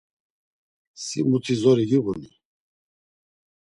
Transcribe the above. Si muti zori giğuni?